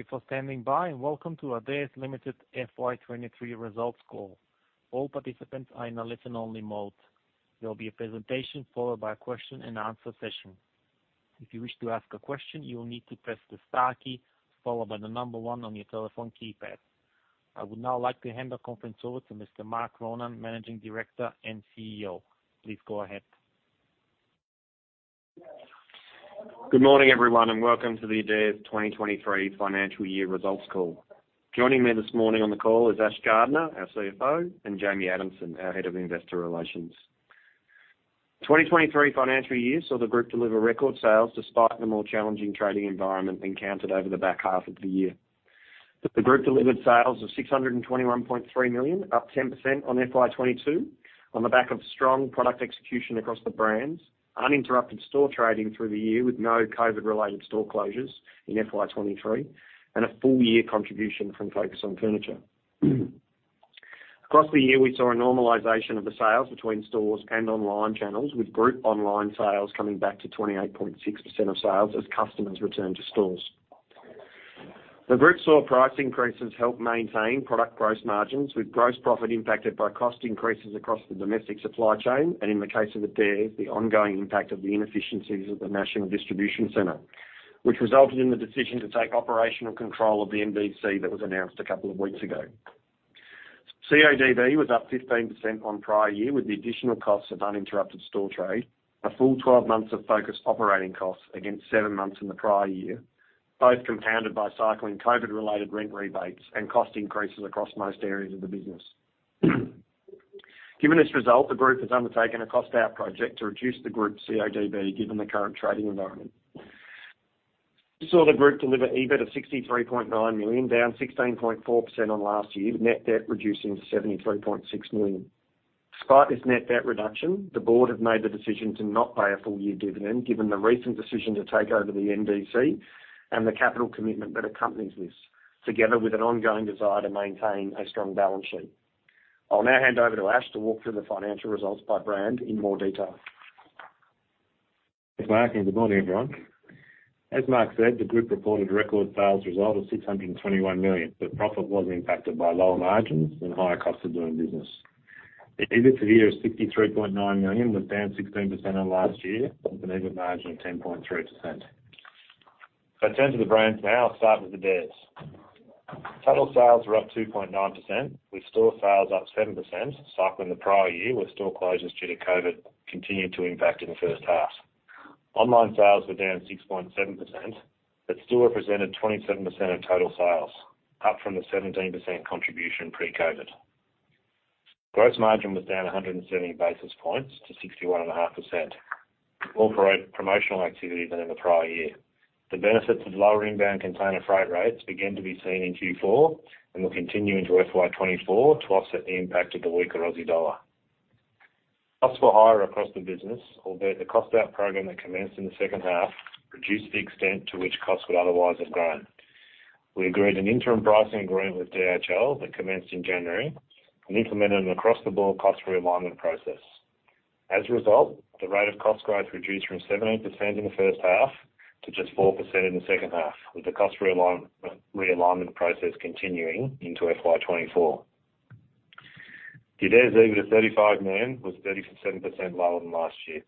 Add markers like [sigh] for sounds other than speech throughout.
Thank you for standing by, welcome to Adairs Limited FY 2023 results call. All participants are in a listen-only mode. There will be a presentation followed by a question-and-answer session. If you wish to ask a question, you will need to press the star key followed by the number one on your telephone keypad. I would now like to hand the conference over to Mr. Mark Ronan, Managing Director and CEO. Please go ahead. Good morning, everyone, and welcome to the Adairs 2023 financial year results call. Joining me this morning on the call is Ash Gardner, our CFO, and Jamie Adamson, our Head of Investor Relations. 2023 financial year saw the group deliver record sales despite the more challenging trading environment encountered over the back half of the year. The group delivered sales of 621.3 million, up 10% on FY 2022, on the back of strong product execution across the brands, uninterrupted store trading through the year with no COVID-related store closures in FY 2023, and a full year contribution from Focus on Furniture. Across the year, we saw a normalization of the sales between stores and online channels, with group online sales coming back to 28.6% of sales as customers returned to stores. The group saw price increases help maintain product gross margins, with gross profit impacted by cost increases across the domestic supply chain, and in the case of Adairs, the ongoing impact of the inefficiencies of the National Distribution Centre, which resulted in the decision to take operational control of the NDC that was announced a couple of weeks ago. CODB was up 15% on prior year, with the additional costs of uninterrupted store trade, a full 12 months of focused operating costs against seven months in the prior year, both compounded by cycling COVID-related rent rebates and cost increases across most areas of the business. Given this result, the group has undertaken a cost-out project to reduce the group's CODB, given the current trading environment. We saw the group deliver EBIT of 63.9 million, down 16.4% on last year, net debt reducing to 73.6 million. Despite this net debt reduction, the board have made the decision to not pay a full-year dividend, given the recent decision to take over the NDC and the capital commitment that accompanies this, together with an ongoing desire to maintain a strong balance sheet. I'll now hand over to Ash to walk through the financial results by brand in more detail. Thanks, Mark, good morning, everyone. As Mark said, the group reported record sales result of 621 million, but profit was impacted by lower margins and higher costs of doing business. The EBIT for the year is 63.9 million, was down 16% on last year, with an EBIT margin of 10.3%. Turning to the brands now, starting with Adairs. Total sales were up 2.9%, with store sales up 7%, cycling the prior year, where store closures due to COVID continued to impact in the first half. Online sales were down 6.7%, but still represented 27% of total sales, up from the 17% contribution pre-COVID. Gross margin was down 170 basis points to 61.5%, more promo, promotional activity than in the prior year. The benefits of lower inbound container freight rates began to be seen in Q4 and will continue into FY 2024 to offset the impact of the weaker Aussie dollar. Costs were higher across the business, albeit the cost-out program that commenced in the second half reduced the extent to which costs would otherwise have grown. We agreed an interim pricing agreement with DHL that commenced in January and implemented an across-the-board cost realignment process. As a result, the rate of cost growth reduced from 17% in the first half to just 4% in the second half, with the cost realignment process continuing into FY 2024. The Adairs EBIT of 35 million was 37% lower than last year.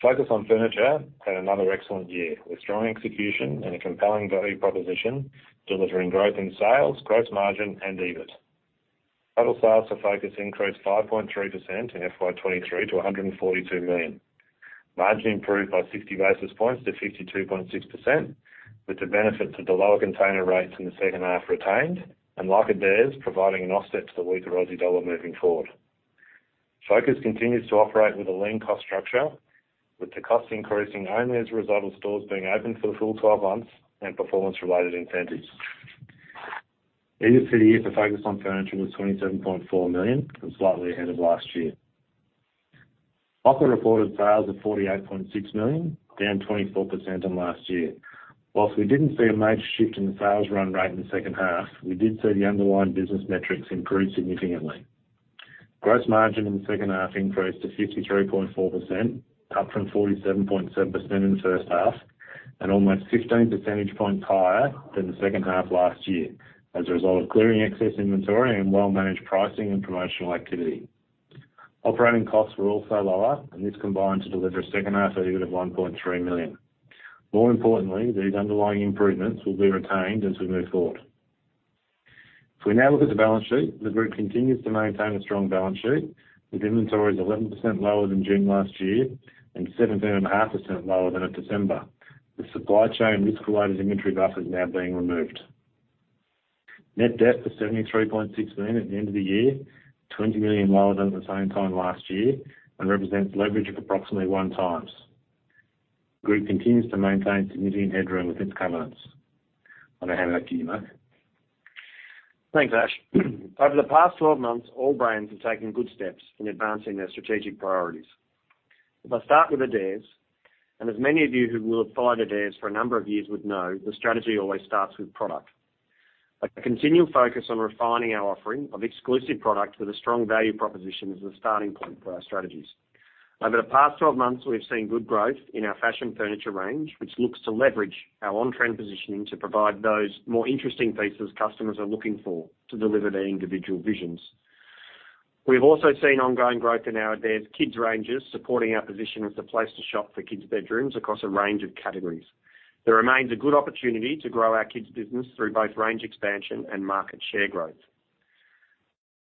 Focus on Furniture had another excellent year, with strong execution and a compelling value proposition, delivering growth in sales, gross margin, and EBIT. Total sales for Focus on Furniture increased 5.3% in FY 2023 to 142 million. Margin improved by 60 basis points to 52.6%, with the benefit to the lower container rates in the second half retained, and like Adairs, providing an offset to the weaker Aussie dollar moving forward. Focus on Furniture continues to operate with a lean cost structure, with the cost increasing only as a result of stores being open for the full 12 months and performance-related incentives. EBIT for the year for Focus on Furniture was 27.4 million and slightly ahead of last year. Mocka reported sales of 48.6 million, down 24% on last year. Whilst we didn't see a major shift in the sales run rate in the second half, we did see the underlying business metrics improve significantly. Gross margin in the second half increased to 63.4%, up from 47.7% in the first half, and almost 15 percentage points higher than the second half last year, as a result of clearing excess inventory and well-managed pricing and promotional activity. Operating costs were also lower. This combined to deliver a second half EBIT of 1.3 million. More importantly, these underlying improvements will be retained as we move forward. If we now look at the balance sheet, the group continues to maintain a strong balance sheet, with inventories 11% lower than June last year and 17.5% lower than at December. The supply chain risk-related inventory buffer is now being removed. Net debt was 73.6 million at the end of the year, 20 million lower than the same time last year and represents leverage of approximately one times. The group continues to maintain significant headroom with its covenants. I'll now hand back to you, Mark. Thanks, Ash. Over the past 12 months, all brands have taken good steps in advancing their strategic priorities. If I start with Adairs, and as many of you who will have followed Adairs for a number of years would know, the strategy always starts with product. A continual focus on refining our offering of exclusive products with a strong value proposition is the starting point for our strategies. Over the past 12 months, we've seen good growth in our fashion furniture range, which looks to leverage our on-trend positioning to provide those more interesting pieces customers are looking for to deliver their individual visions. We've also seen ongoing growth in our Adairs Kids' ranges, supporting our position as the place to shop for kids' bedrooms across a range of categories. There remains a good opportunity to grow our kids' business through both range expansion and market share growth.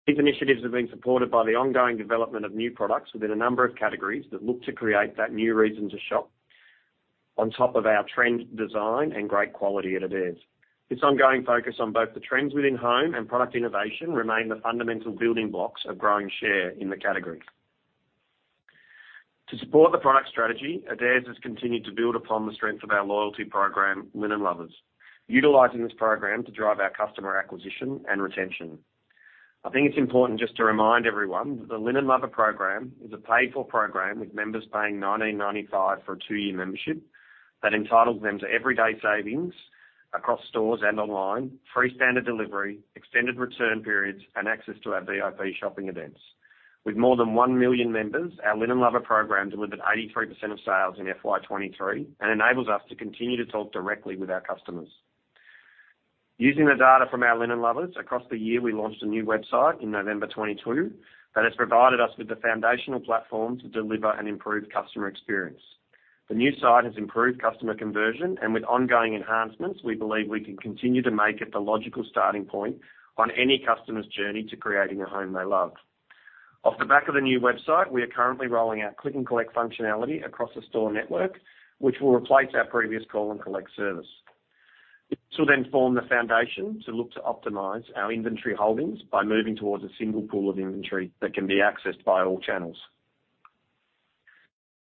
These initiatives have been supported by the ongoing development of new products within a number of categories that look to create that new reason to shop, on top of our trend, design, and great quality at Adairs. This ongoing focus on both the trends within home and product innovation remain the fundamental building blocks of growing share in the category. To support the product strategy, Adairs has continued to build upon the strength of our loyalty program, Linen Lovers, utilizing this program to drive our customer acquisition and retention. I think it's important just to remind everyone that the Linen Lover program is a paid-for program, with members paying 99.95 for a two-year membership, that entitles them to everyday savings across stores and online, free standard delivery, extended return periods, and access to our VIP shopping events. With more than 1 million members, our Linen Lover program delivered 83% of sales in FY 2023 and enables us to continue to talk directly with our customers. Using the data from our Linen Lovers, across the year, we launched a new website in November 2022, that has provided us with the foundational platform to deliver an improved customer experience. The new site has improved customer conversion, and with ongoing enhancements, we believe we can continue to make it the logical starting point on any customer's journey to creating a home they love. Off the back of the new website, we are currently rolling out click and collect functionality across the store network, which will replace our previous call and collect service. This will then form the foundation to look to optimize our inventory holdings by moving towards a single pool of inventory that can be accessed by all channels.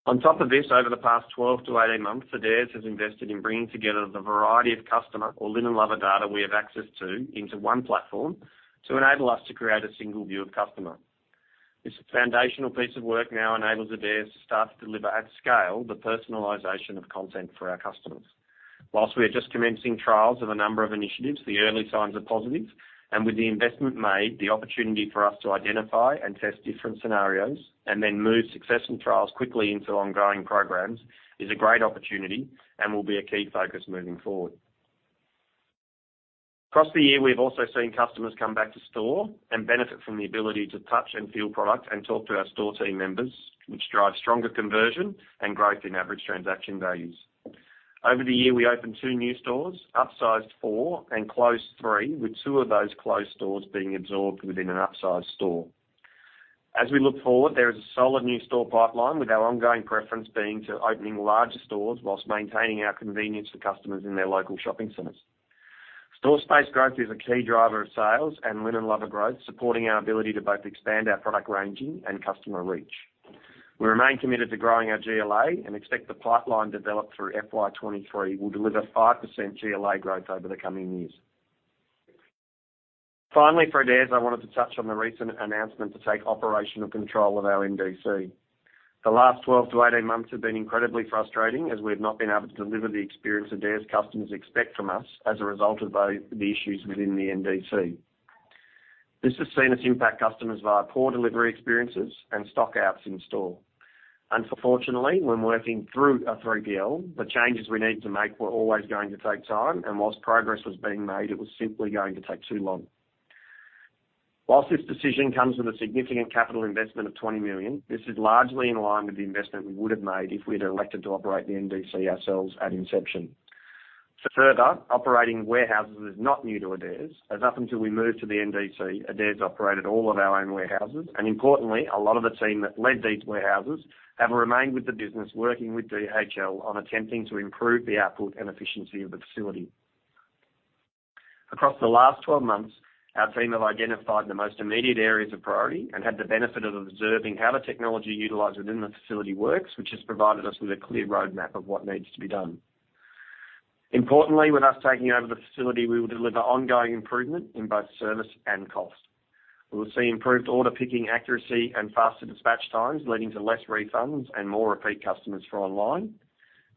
On top of this, over the past 12-18 months, Adairs has invested in bringing together the variety of customer or Linen Lover data we have access to into one platform to enable us to create a single view of customer. This foundational piece of work now enables Adairs to start to deliver at scale, the personalization of content for our customers. Whilst we are just commencing trials of a number of initiatives, the early signs are positive, and with the investment made, the opportunity for us to identify and test different scenarios, and then move successful trials quickly into ongoing programs, is a great opportunity and will be a key focus moving forward. Across the year, we've also seen customers come back to store and benefit from the ability to touch and feel products and talk to our store team members, which drives stronger conversion and growth in average transaction values. Over the year, we opened two new stores, upsized four, and closed three, with two of those closed stores being absorbed within an upsized store. As we look forward, there is a solid new store pipeline, with our ongoing preference being to opening larger stores while maintaining our convenience to customers in their local shopping centers. Store space growth is a key driver of sales and Linen Lover growth, supporting our ability to both expand our product ranging and customer reach. We remain committed to growing our GLA and expect the pipeline developed through FY 2023 will deliver 5% GLA growth over the coming years. Finally, for Adairs, I wanted to touch on the recent announcement to take operational control of our NDC. The last 12-18 months have been incredibly frustrating, as we've not been able to deliver the experience Adairs customers expect from us as a result of the issues within the NDC. This has seen us impact customers via poor delivery experiences and stock outs in store. Unfortunately, when working through a 3PL, the changes we need to make were always going to take time, and whilst progress was being made, it was simply going to take too long. Whilst this decision comes with a significant capital investment of 20 million, this is largely in line with the investment we would have made if we'd elected to operate the NDC ourselves at inception. Further, operating warehouses is not new to Adairs, as up until we moved to the NDC, Adairs operated all of our own warehouses, and importantly, a lot of the team that led these warehouses have remained with the business, working with DHL on attempting to improve the output and efficiency of the facility. Across the last 12 months, our team have identified the most immediate areas of priority and had the benefit of observing how the technology utilized within the facility works, which has provided us with a clear roadmap of what needs to be done. Importantly, with us taking over the facility, we will deliver ongoing improvement in both service and cost. We will see improved order picking accuracy and faster dispatch times, leading to less refunds and more repeat customers for online.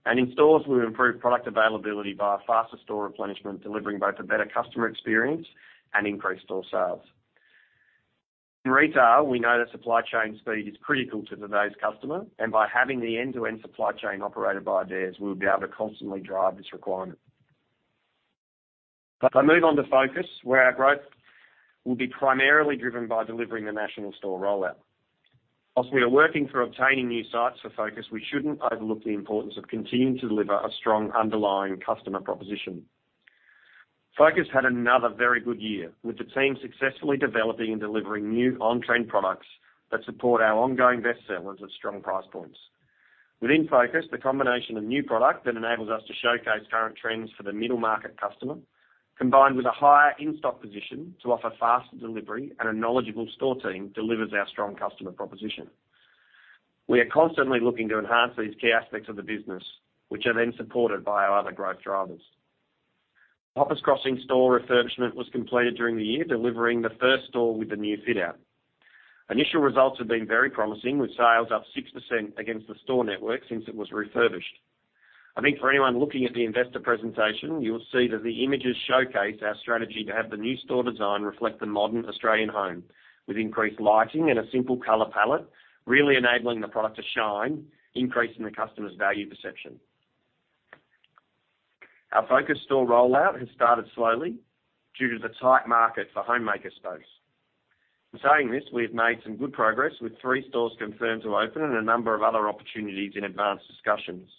In stores, we'll improve product availability via faster store replenishment, delivering both a better customer experience and increased store sales. In retail, we know that supply chain speed is critical to today's customer, and by having the end-to-end supply chain operated by Adairs, we'll be able to constantly drive this requirement. If I move on to Focus, where our growth will be primarily driven by delivering the national store rollout. Whilst we are working for obtaining new sites for Focus, we shouldn't overlook the importance of continuing to deliver a strong underlying customer proposition. Focus had another very good year, with the team successfully developing and delivering new on-trend products that support our ongoing best sellers at strong price points. Within Focus, the combination of new product that enables us to showcase current trends for the middle-market customer, combined with a higher in-stock position to offer faster delivery and a knowledgeable store team, delivers our strong customer proposition. We are constantly looking to enhance these key aspects of the business, which are then supported by our other growth drivers. Hoppers Crossing store refurbishment was completed during the year, delivering the first store with the new fit-out. Initial results have been very promising, with sales up 6% against the store network since it was refurbished. I think for anyone looking at the investor presentation, you will see that the images showcase our strategy to have the new store design reflect the modern Australian home, with increased lighting and a simple color palette, really enabling the product to shine, increasing the customer's value perception. Our Focus store rollout has started slowly due to the tight market for homemaker space. In saying this, we have made some good progress, with three stores confirmed to open and a number of other opportunities in advanced discussions.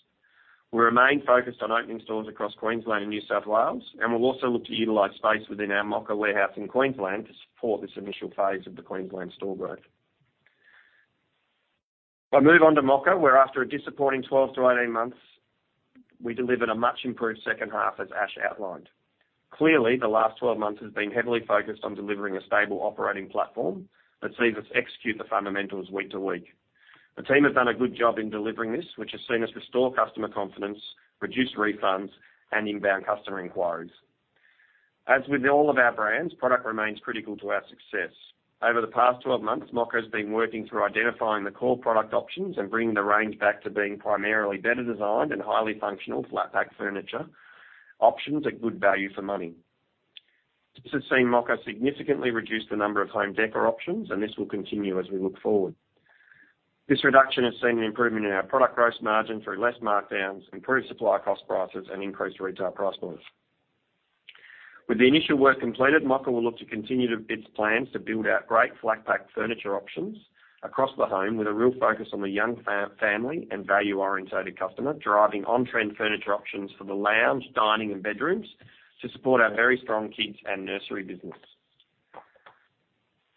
We remain focused on opening stores across Queensland and New South Wales, and we'll also look to utilize space within our Mocka warehouse in Queensland to support this initial phase of the Queensland store growth. I move on to Mocka, where after a disappointing 12-18 months, we delivered a much improved second half, as Ash outlined. Clearly, the last 12 months has been heavily focused on delivering a stable operating platform that sees us execute the fundamentals week to week. The team has done a good job in delivering this, which has seen us restore customer confidence, reduce refunds, and inbound customer inquiries. As with all of our brands, product remains critical to our success. Over the past 12 months, Mocka has been working through identifying the core product options and bringing the range back to being primarily better designed and highly functional flat pack furniture options at good value for money. This has seen Mocka significantly reduce the number of home decor options, and this will continue as we look forward. This reduction has seen an improvement in our product gross margin through less markdowns, improved supply cost prices, and increased retail price points. With the initial work completed, Mocka will look to continue with its plans to build out great flat pack furniture options across the home, with a real focus on the young family and value-orientated customer, driving on-trend furniture options for the lounge, dining, and bedrooms to support our very strong kids and nursery business.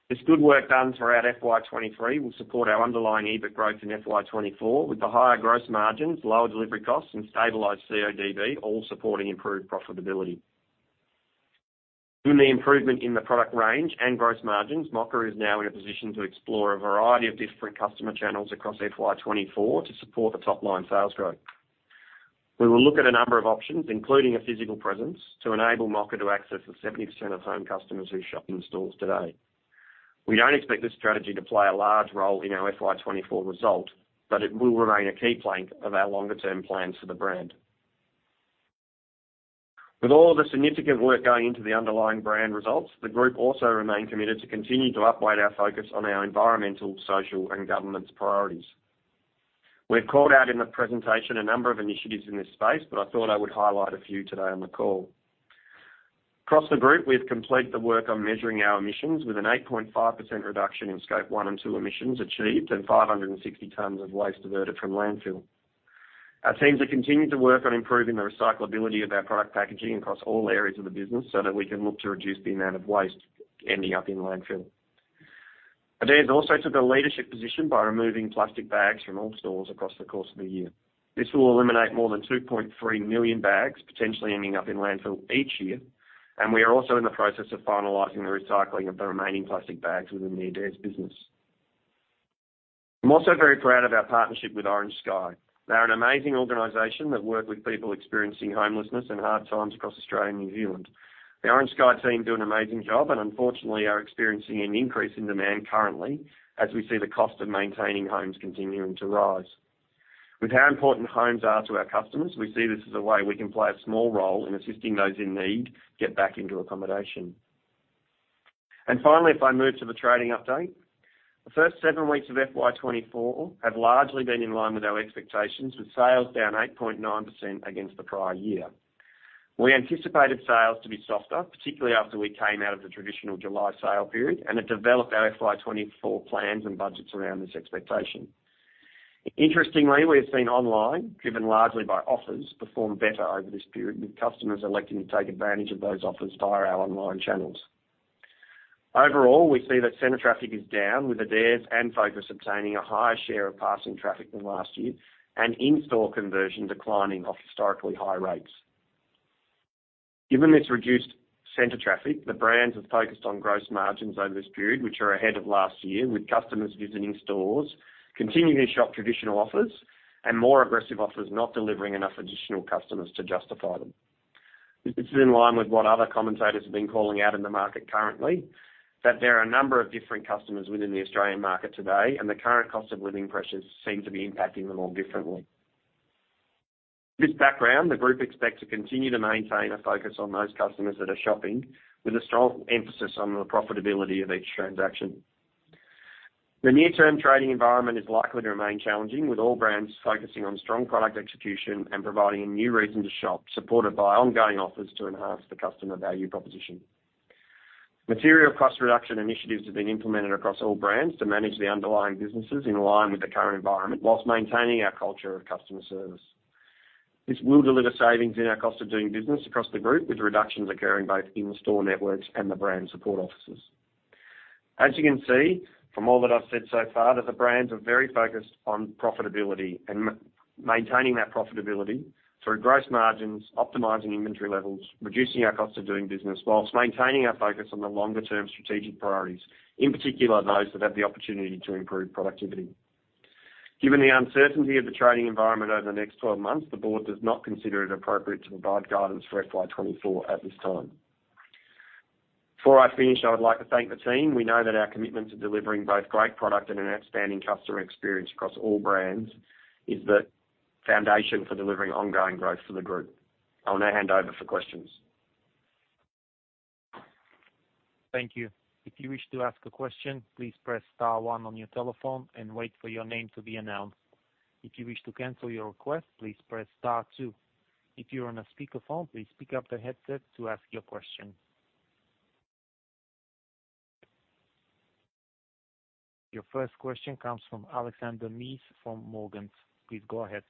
This good work done throughout FY 2023 will support our underlying EBIT growth in FY 2024, with the higher gross margins, lower delivery costs, and stabilized CODB, all supporting improved profitability. With the improvement in the product range and gross margins, Mocka is now in a position to explore a variety of different customer channels across FY 2024 to support the top-line sales growth. We will look at a number of options, including a physical presence, to enable Mocka to access the 70% of home customers who shop in stores today. We don't expect this strategy to play a large role in our FY 2024 result, but it will remain a key plank of our longer-term plans for the brand. With all the significant work going into the underlying brand results, the group also remain committed to continuing to uphold our focus on our environmental, social, and governance priorities. We've called out in the presentation a number of initiatives in this space. I thought I would highlight a few today on the call. Across the group, we've completed the work on measuring our emissions, with an 8.5% reduction in Scope 1 and 2 emissions achieved and 560 tons of waste diverted from landfill. Our teams are continuing to work on improving the recyclability of our product packaging across all areas of the business, that we can look to reduce the amount of waste ending up in landfill. Adairs also took a leadership position by removing plastic bags from all stores across the course of the year. This will eliminate more than 2.3 million bags, potentially ending up in landfill each year. We are also in the process of finalizing the recycling of the remaining plastic bags within the Adairs business. I'm also very proud of our partnership with Orange Sky. They are an amazing organization that work with people experiencing homelessness and hard times across Australia and New Zealand. The Orange Sky team do an amazing job, unfortunately, are experiencing an increase in demand currently, as we see the cost of maintaining homes continuing to rise. With how important homes are to our customers, we see this as a way we can play a small role in assisting those in need get back into accommodation. Finally, if I move to the trading update, the first seven weeks of FY 2024 have largely been in line with our expectations, with sales down 8.9% against the prior year. We anticipated sales to be softer, particularly after we came out of the traditional July sale period, and have developed our FY 2024 plans and budgets around this expectation. Interestingly, we've seen online, driven largely by offers, perform better over this period, with customers electing to take advantage of those offers via our online channels. Overall, we see that center traffic is down, with Adairs and Focus obtaining a higher share of passing traffic than last year, and in-store conversion declining off historically high rates. Given this reduced center traffic, the brands have focused on gross margins over this period, which are ahead of last year, with customers visiting stores, continuing to shop traditional offers, and more aggressive offers not delivering enough additional customers to justify them. This is in line with what other commentators have been calling out in the market currently, that there are a number of different customers within the Australian market today, and the current cost of living pressures seem to be impacting them all differently. This background, the group expects to continue to maintain a focus on those customers that are shopping, with a strong emphasis on the profitability of each transaction. The near-term trading environment is likely to remain challenging, with all brands focusing on strong product execution and providing a new reason to shop, supported by ongoing offers to enhance the customer value proposition. Material cost reduction initiatives have been implemented across all brands to manage the underlying businesses in line with the current environment, while maintaining our culture of customer service. This will deliver savings in our cost of doing business across the group, with reductions occurring both in the store networks and the brand support offices. As you can see from all that I've said so far, that the brands are very focused on profitability and maintaining that profitability through gross margins, optimizing inventory levels, reducing our cost of doing business, while maintaining our focus on the longer-term strategic priorities, in particular, those that have the opportunity to improve productivity. Given the uncertainty of the trading environment over the next 12 months, the board does not consider it appropriate to provide guidance for FY 2024 at this time. Before I finish, I would like to thank the team. We know that our commitment to delivering both great product and an outstanding customer experience across all brands is the foundation for delivering ongoing growth for the group. I'll now hand over for questions. Thank you. If you wish to ask a question, please press star one on your telephone and wait for your name to be announced. If you wish to cancel your request, please press star two. If you're on a speakerphone, please pick up the headset to ask your question. Your first question comes from Alexander Mees from Morgans. Please go ahead.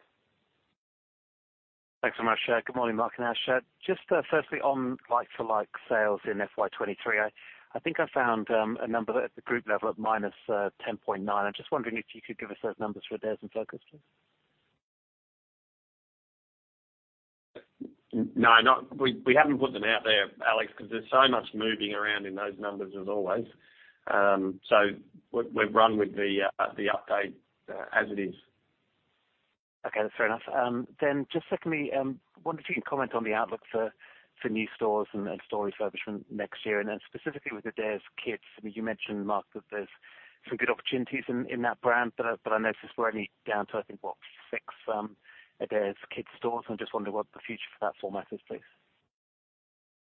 Thanks so much. Good morning, Mark and Ash. Just firstly, on like-for-like sales in FY 2023, I think I found a number at the group level of -10.9. I'm just wondering if you could give us those numbers for Adairs and Focus, please. No, we, we haven't put them out there, Alex, because there's so much moving around in those numbers as always. We've, we've run with the update as it is. Okay, fair enough. Just secondly, I wonder if you can comment on the outlook for new stores and store refurbishment next year, and specifically with Adairs Kids. I mean, you mentioned, Mark, that there's some good opportunities in that brand, but I, but I noticed we're only down to, I think, what, six Adairs Kids stores. I'm just wondering what the future for that format is, please.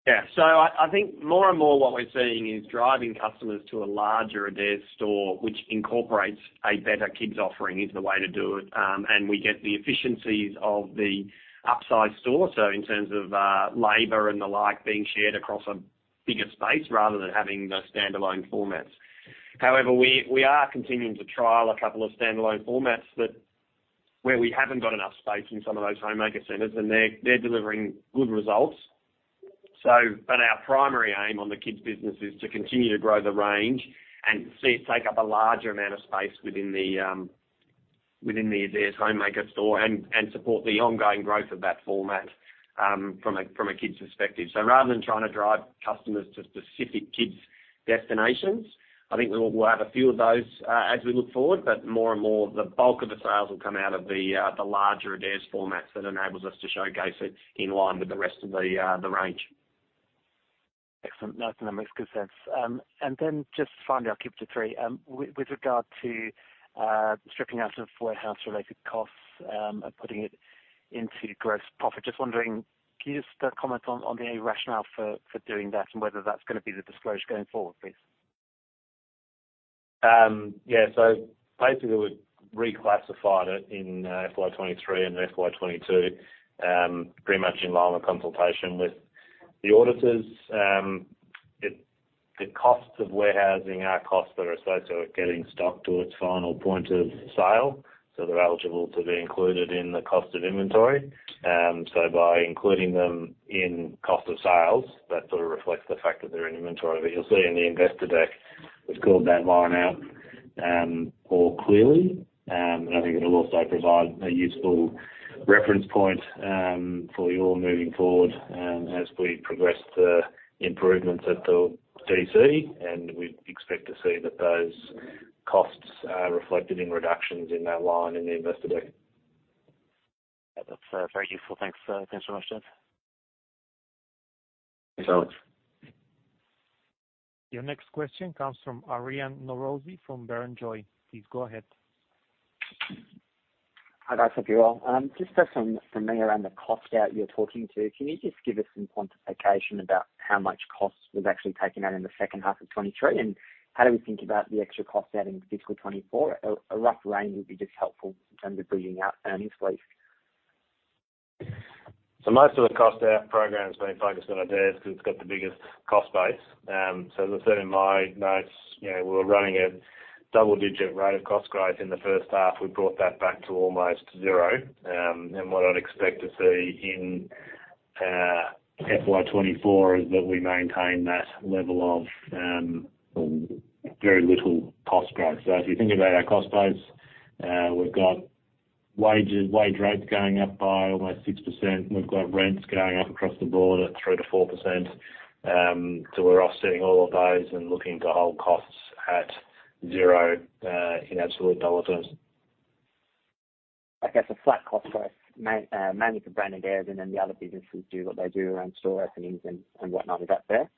Yeah. I, I think more and more what we're seeing is driving customers to a larger Adairs store, which incorporates a better kids offering into the way to do it, and we get the efficiencies of the upsized store. In terms of labor and the like, being shared across a bigger space rather than having the standalone formats. However, we, we are continuing to trial a couple of standalone formats that where we haven't got enough space in some of those homemaker centers, and they're, they're delivering good results. Our primary aim on the kids business is to continue to grow the range and see it take up a larger amount of space within the within the Adairs Homemaker store and, and support the ongoing growth of that format, from a from a kids perspective. Rather than trying to drive customers to specific kids' destinations, I think we'll, we'll have a few of those, as we look forward, but more and more, the bulk of the sales will come out of the, the larger Adairs formats that enables us to showcase it in line with the rest of the, the range. Excellent. No, that makes good sense. Then just finally, I'll keep it to three. With, with regard to stripping out of warehouse-related costs and putting it into gross profit. Just wondering, can you just comment on, on the rationale for, for doing that and whether that's going to be the disclosure going forward, please? Yeah. Basically, we reclassified it in FY 2023 and FY 2022, pretty much in line with consultation with the auditors. The costs of warehousing are costs that are associated with getting stock to its final point of sale, so they're eligible to be included in the cost of inventory. By including them in cost of sales, that sort of reflects the fact that they're in inventory. You'll see in the investor deck, we've called that line out all clearly. I think it'll also provide a useful reference point for you all moving forward as we progress the improvements at the DC, and we expect to see that those costs are reflected in reductions in that line in the investor deck. That's very useful. Thanks. Thanks very much, Ash. Thanks, Alex. Your next question comes from Aryan Norozi from Barrenjoey. Please go ahead. Hi, guys. Hope you're well. Just some from me around the cost out you're talking to. Can you just give us some quantification about how much cost was actually taken out in the second half of 2023, and how do we think about the extra cost out in fiscal 2024? A rough range would be just helpful in terms of bringing out earnings, please. Most of the cost out program has been focused on Adairs because it's got the biggest cost base. As I said in my notes, you know, we were running a double-digit rate of cost growth in the first half. We brought that back to almost zero. What I'd expect to see in FY 2024 is that we maintain that level of very little cost growth. If you think about our cost base, we've got wages, wage rates going up by almost 6%. We've got rents going up across the board at 3%-4%. We're offsetting all of those and looking to hold costs at zero in absolute dollar terms. Okay, flat cost growth, mainly for branded Adairs, and then the other businesses do what they do around store openings and, and whatnot. Is that fair?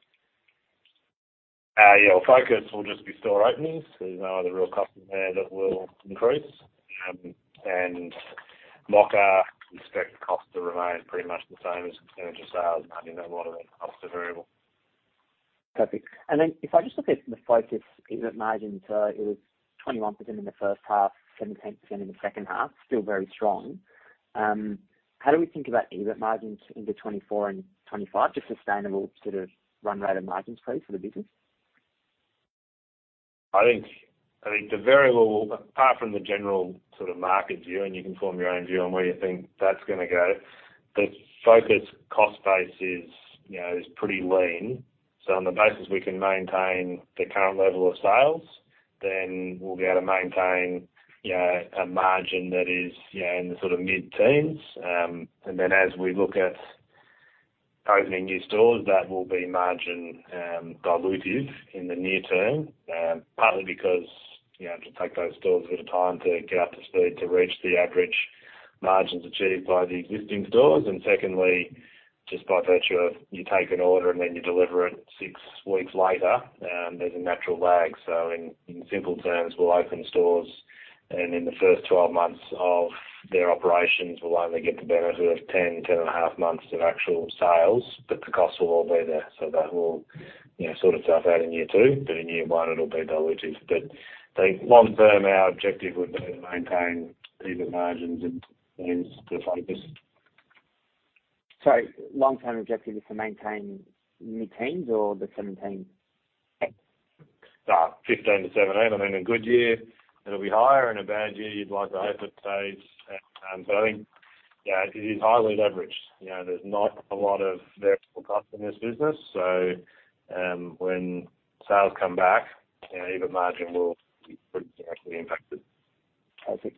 Yeah. Well, Focus will just be store openings. There's no other real cost in there that will increase. Mocka, expect the cost to remain pretty much the same as in terms of sales, knowing that a lot of it costs are variable. Perfect. Then if I just look at the Focus EBIT margins, it was 21% in the first half, 17% in the second half, still very strong. How do we think about EBIT margins into 2024 and 2025? Just sustainable sort of run rate of margins, please, for the business. I think, I think the variable, apart from the general sort of market view, and you can form your own view on where you think that's gonna go, the Focus cost base is, you know, is pretty lean. On the basis, we can maintain the current level of sales, then we'll be able to maintain, you know, a margin that is, you know, in the sort of mid-teens. Then as we look at opening new stores, that will be margin dilutive in the near term, partly because, you know, just take those stores a bit of time to get up to speed to reach the average margins achieved by the existing stores. Secondly, just by virtue of you take an order and then you deliver it six weeks later, there's a natural lag. In, in simple terms, we'll open stores, and in the first 12 months of their operations, we'll only get the benefit of 10, 10 and a half months of actual sales, but the costs will all be there. That will, you know, sort itself out in year two, but in year one it'll be dilutive. I think long term, our objective would be to maintain even margins and, and [audio distortion] Sorry, long-term objective is to maintain mid-teens or the 17? 15%-17%. I mean, in a good year, it'll be higher, in a bad year, you'd like to hope it stays. I think, yeah, it is highly leveraged. You know, there's not a lot of variable cost in this business, so, when sales come back, you know, EBIT margin will be pretty directly impacted. I see.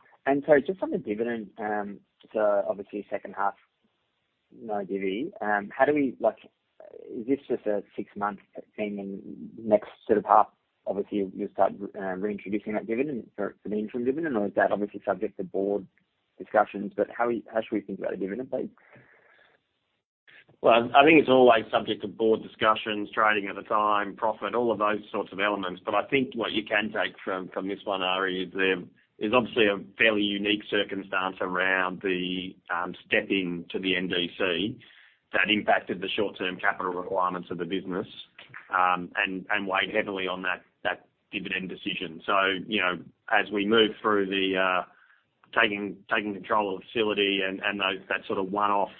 Sorry, just on the dividend, so obviously second half, no [divi]. How do we like, is this just a six month thing and next sort of half, obviously, you'll start reintroducing that dividend for, for the interim dividend, or is that obviously subject to board discussions? How, how should we think about a dividend, please? Well, I think it's always subject to board discussions, trading at the time, profit, all of those sorts of elements. I think what you can take from, from this one, Ari, is there is obviously a fairly unique circumstance around the step in to the NDC that impacted the short-term capital requirements of the business, and weighed heavily on that, that dividend decision. You know, as we move through the taking, taking control of the facility and, and those- that sort of one-off,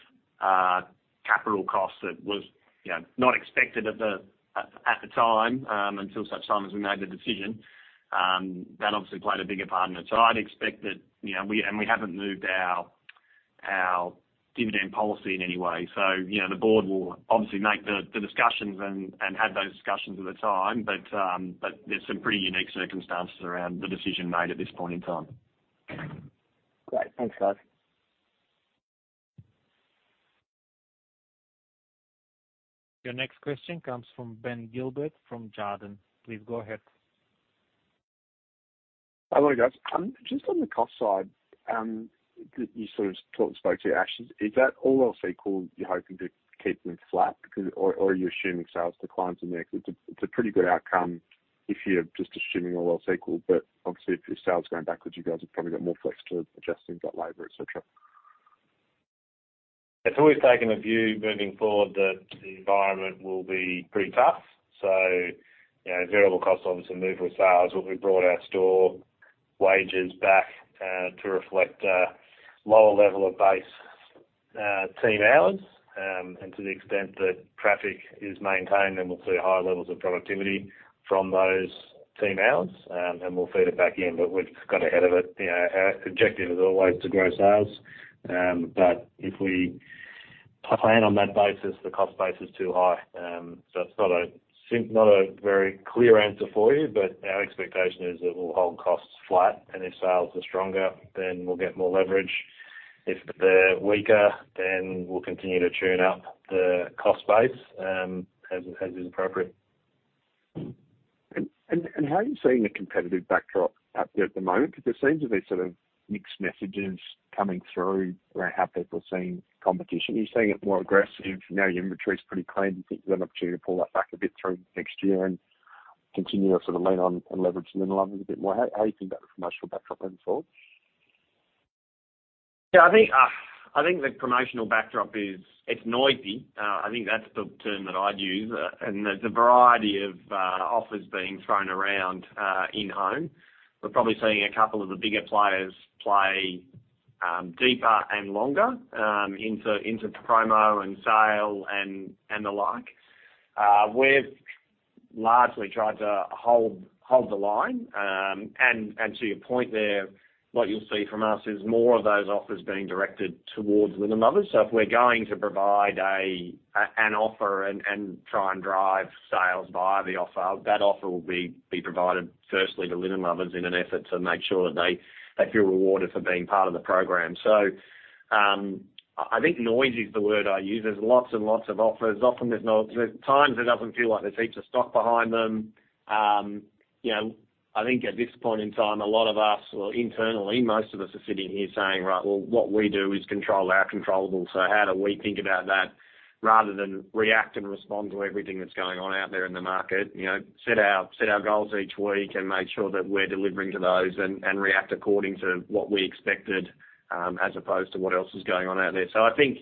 capital cost that was, you know, not expected at the, at, at the time, until such time as we made the decision, that obviously played a bigger part in it. I'd expect that, you know, we-- and we haven't moved our, our dividend policy in any way. You know, the board will obviously make the, the discussions and, and have those discussions at the time. but there's some pretty unique circumstances around the decision made at this point in time. Great. Thanks, guys. Your next question comes from Ben Gilbert, from Jarden. Please go ahead. Hello, guys. Just on the cost side, you sort of spoke to Ash, is that all else equal, you're hoping to keep them flat, because, or are you assuming sales declines in there? Because it's a pretty good outcome if you're just assuming all else equal. Obviously, if your sales are going backwards, you guys have probably got more flex to adjust things like labor, et cetera. It's always taken a view moving forward that the environment will be pretty tough. You know, variable costs obviously move with sales, but we brought our store wages back to reflect lower level of base team hours. To the extent that traffic is maintained, then we'll see higher levels of productivity from those team hours, and we'll feed it back in. We've got ahead of it. You know, our objective is always to grow sales, but if we plan on that basis, the cost base is too high. It's not a very clear answer for you, but our expectation is that we'll hold costs flat, and if sales are stronger, then we'll get more leverage. If they're weaker, then we'll continue to tune up the cost base as, as is appropriate. How are you seeing the competitive backdrop out there at the moment? Because there seems to be sort of mixed messages coming through about how people are seeing competition. Are you seeing it more aggressive now, your inventory is pretty clean, do you think you have an opportunity to pull that back a bit through next year and continue to sort of lean on and leverage Linen Lovers a bit more? How do you think about the promotional backdrop going forward? Yeah, I think, I think the promotional backdrop is, it's noisy. I think that's the term that I'd use. There's a variety of offers being thrown around in home. We're probably seeing a couple of the bigger players play deeper and longer, into, into promo and sale and, and the like. We've largely tried to hold, hold the line. To your point there, what you'll see from us is more of those offers being directed towards Linen Lovers. If we're going to provide an offer and, and try and drive sales via the offer, that offer will be provided firstly to Linen Lovers in an effort to make sure that they, they feel rewarded for being part of the program. I think noisy is the word I use. There's lots and lots of offers. Often there's times it doesn't feel like there's heaps of stock behind them. You know, I think at this point in time, a lot of us, or internally, most of us are sitting here saying, "Right, well, what we do is control our controllable." How do we think about that? Rather than react and respond to everything that's going on out there in the market. You know, set our, set our goals each week and make sure that we're delivering to those and, and react according to what we expected, as opposed to what else is going on out there. I think,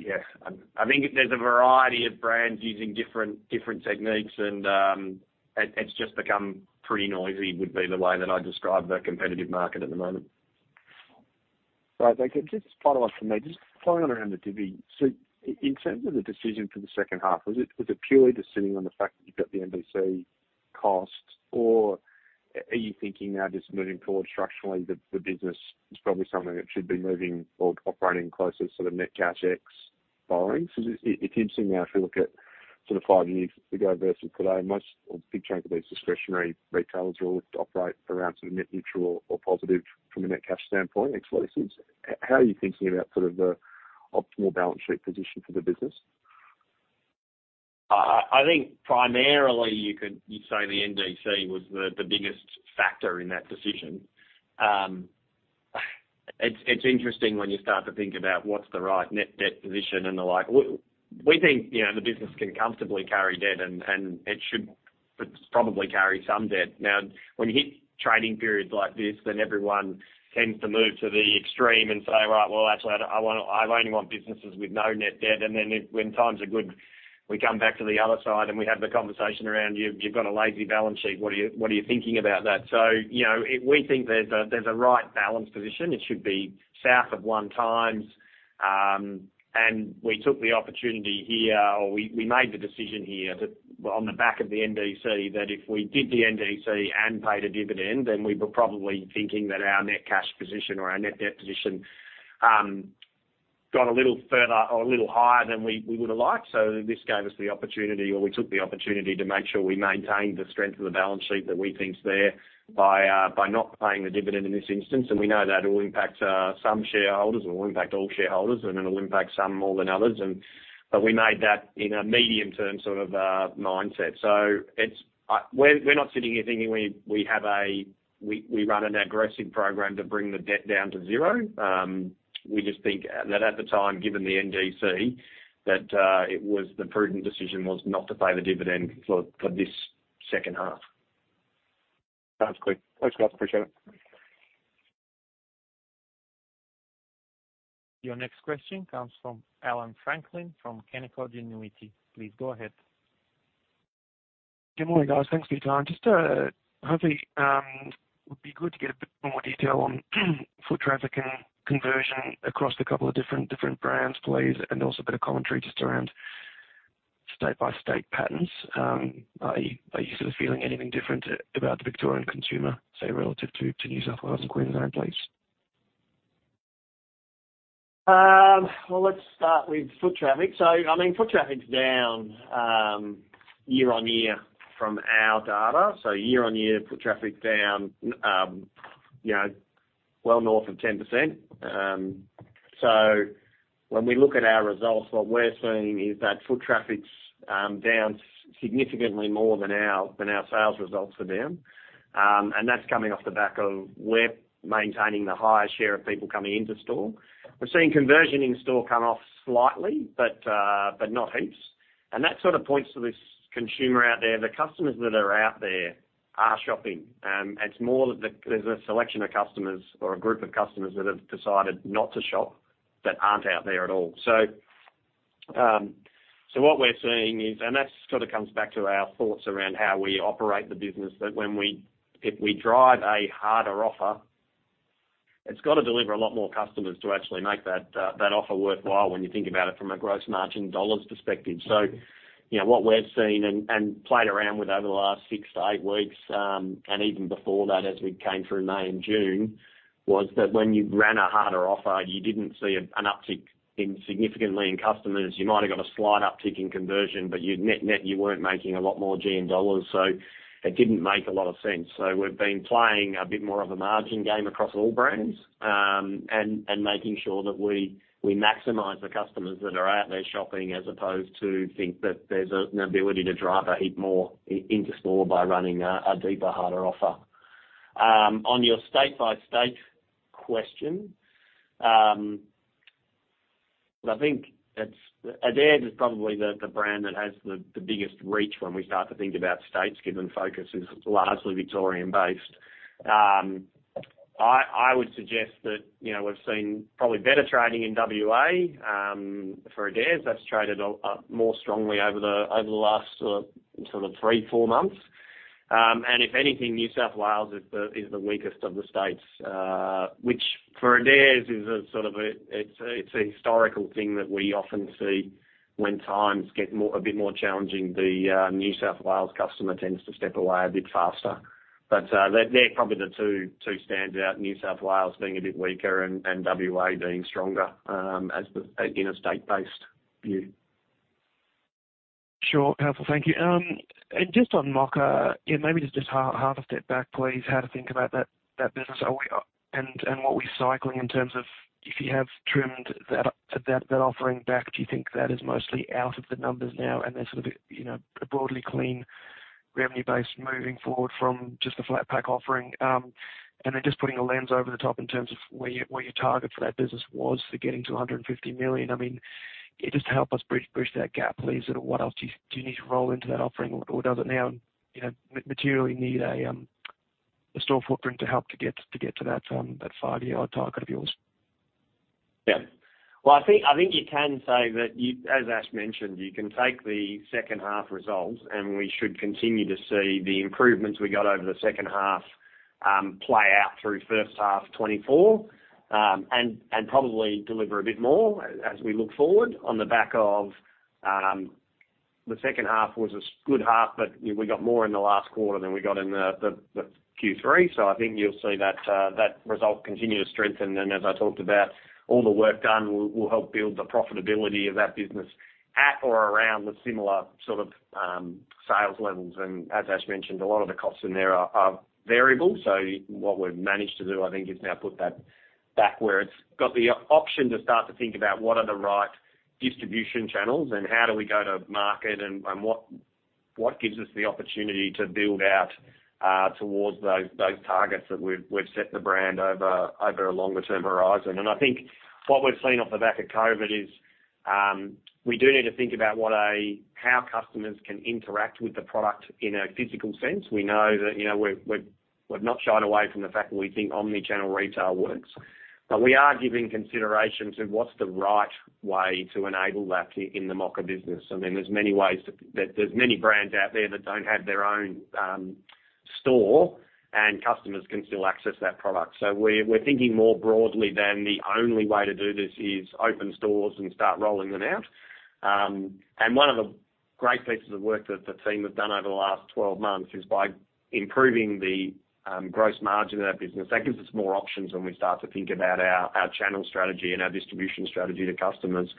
yeah, I, I think there's a variety of brands using different, different techniques, and it, it's just become pretty noisy, would be the way that I describe the competitive market at the moment. Right. Thank you. Just follow up for me, just following on around the divvy. In terms of the decision for the second half, was it, was it purely just sitting on the fact that you've got the NDC costs, or are you thinking now just moving forward structurally, that the business is probably something that should be moving or operating closer to sort of net cash ex borrowings? Because it, it's interesting now, if you look at sort of five years ago versus today, most, a big chunk of these discretionary retailers will operate around sort of net neutral or positive from a net cash standpoint ex licenses. How are you thinking about sort of the optimal balance sheet position for the business? I, I think primarily, you say the NDC was the biggest factor in that decision. It's, it's interesting when you start to think about what's the right net debt position and the like. We think, you know, the business can comfortably carry debt, and it should probably carry some debt. When you hit trading periods like this, then everyone tends to move to the extreme and say, "Right, well, actually, I only want businesses with no net debt." Then when times are good, we come back to the other side, and we have the conversation around, "You've, you've got a lazy balance sheet. What are you, what are you thinking about that?" You know, we think there's a, there's a right balance position. It should be south of one times. We took the opportunity here, or we, we made the decision here that on the back of the NDC, that if we did the NDC and paid a dividend, then we were probably thinking that our net cash position or our net debt position, got a little further or a little higher than we, we would have liked. This gave us the opportunity, or we took the opportunity to make sure we maintained the strength of the balance sheet that we think is there by not paying the dividend in this instance. We know that will impact some shareholders, or will impact all shareholders, and it'll impact some more than others. We made that in a medium-term sort of mindset. It's, we're, we're not sitting here thinking we, we run an aggressive program to bring the debt down to zero. We just think that at the time, given the NDC, that it was the prudent decision was not to pay the dividend for, for this second half. Sounds clear. Thanks, guys, appreciate it. Your next question comes from Allan Franklin, from Canaccord Genuity. Please go ahead. Good morning, guys. Thanks for your time. Just, hopefully, would be good to get a bit more detail on foot traffic and conversion across a couple of different, different brands, please, and also a bit of commentary just around state-by-state patterns. Are you, are you sort of feeling anything different about the Victorian consumer, say, relative to, to New South Wales and Queensland, please? Well, let's start with foot traffic. I mean, foot traffic's down year-on-year from our data. Year-on-year, foot traffic down, you know, well north of 10%. When we look at our results, what we're seeing is that foot traffic's down significantly more than our, than our sales results are down. That's coming off the back of we're maintaining the highest share of people coming into store. We're seeing conversion in store come off slightly, but not heaps. That sort of points to this consumer out there. The customers that are out there are shopping, and it's more that there's a selection of customers or a group of customers that have decided not to shop, that aren't out there at all. What we're seeing is... That sort of comes back to our thoughts around how we operate the business, that when we if we drive a harder offer, it's got to deliver a lot more customers to actually make that, that offer worthwhile when you think about it from a gross margin dollars perspective. You know, what we've seen and played around with over the last six to eight weeks, and even before that, as we came through May and June, was that when you ran a harder offer, you didn't see an uptick in significantly in customers. You might have got a slight uptick in conversion, but you net, net, you weren't making a lot more GM dollars, so it didn't make a lot of sense. We've been playing a bit more of a margin game across all brands, and making sure that we maximize the customers that are out there shopping, as opposed to think that there's an ability to drive a heap more into store by running a deeper, harder offer. On your state-by-state question, I think it's Adairs is probably the brand that has the biggest reach when we start to think about states, given Focus is largely Victorian-based. I would suggest that, you know, we've seen probably better trading in WA for Adairs. That's traded up, up more strongly over the last sort of three, four months. If anything, New South Wales is the, is the weakest of the states, which for Adairs is a sort of a, it's, it's a historical thing that we often see when times get more, a bit more challenging, the New South Wales customer tends to step away a bit faster. They're, they're probably the two, two standout, New South Wales being a bit weaker and, and WA being stronger, as the, in a state-based view. Sure. Powerful, thank you. Just on Mocka, yeah, maybe just half a step back, please, how to think about that, that business. Are we... what we're cycling in terms of if you have trimmed that, that offering back, do you think that is mostly out of the numbers now? Then sort of, you know, a broadly clean revenue base moving forward from just the flat pack offering. Then just putting a lens over the top in terms of where your, where your target for that business was for getting to 150 million. I mean, just to help us bridge, bridge that gap, please, sort of what else do you, do you need to roll into that offering or, or does it now, you know, materially need a store footprint to help to get, to get to that five-year target of yours? Yeah. Well, I think, I think you can say that you, as Ash mentioned, you can take the second half results, and we should continue to see the improvements we got over the second half, play out through first half 2024. Probably deliver a bit more as we look forward on the back of. The second half was a good half, but, you know, we got more in the last quarter than we got in the Q3. I think you'll see that result continue to strengthen. As I talked about, all the work done will, will help build the profitability of that business at or around the similar sort of sales levels. As Ash mentioned, a lot of the costs in there are, are variable. What we've managed to do, I think, is now put that back where it's got the option to start to think about what are the right distribution channels and how do we go to market and, and what, what gives us the opportunity to build out towards those, those targets that we've, we've set the brand over, over a longer-term horizon. I think what we've seen off the back of COVID is, we do need to think about how customers can interact with the product in a physical sense. We know that, you know, we're, we've, we've not shied away from the fact that we think omni-channel retail works, but we are giving consideration to what's the right way to enable that in, in the Mocka business. I mean, there's many ways there's many brands out there that don't have their own store, and customers can still access that product. We're, we're thinking more broadly than the only way to do this is open stores and start rolling them out. One of the great pieces of work that the team have done over the last 12 months is by improving the gross margin in our business. That gives us more options when we start to think about our channel strategy and our distribution strategy to customers.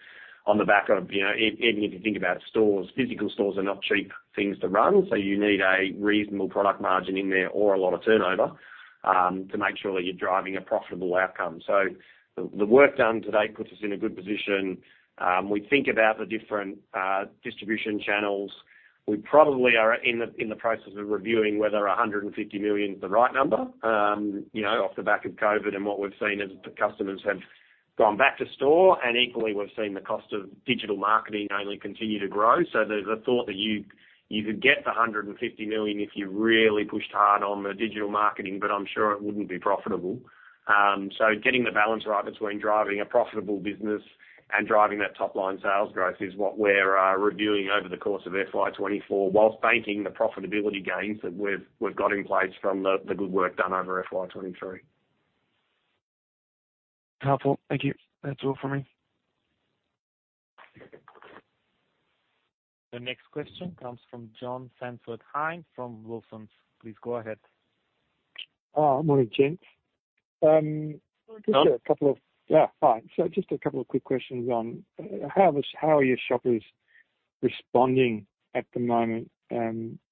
On the back of, you know, even if you think about stores, physical stores are not cheap things to run, so you need a reasonable product margin in there or a lot of turnover to make sure that you're driving a profitable outcome. The, the work done to date puts us in a good position. We think about the different distribution channels. We probably are in the, in the process of reviewing whether 150 million is the right number, you know, off the back of COVID and what we've seen as the customers have gone back to store, and equally, we've seen the cost of digital marketing only continue to grow. There's a thought that you, you could get to 150 million if you really pushed hard on the digital marketing, but I'm sure it wouldn't be profitable. Getting the balance right between driving a profitable business and driving that top-line sales growth is what we're reviewing over the course of FY 2024, whilst banking the profitability gains that we've, we've got in place from the, the good work done over FY 2023. Helpful. Thank you. That's all for me. The next question comes from John Scranford-Hein from Wilsons. Please go ahead. Morning, gents. John? Yeah, hi. Just a couple of quick questions on, how is, how are your shoppers responding at the moment? Is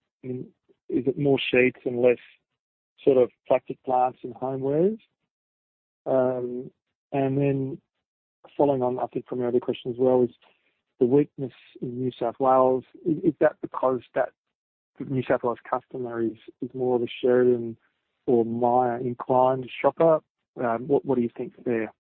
it more sheets and less sort of plastic plants and homewares? Then following on, I think, from your other question as well, is the weakness in New South Wales, is, is that because that New South Wales customer is, is more of a Sheridan or Myer inclined shopper? What, what do you think there?